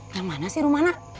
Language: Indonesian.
yang mana sih rumahnya